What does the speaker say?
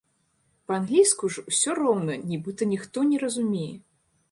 Па-англійску ж ўсё роўна нібыта ніхто не разумее!